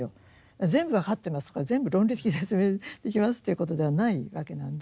全部分かってますとか全部論理的に説明できますということではないわけなんで。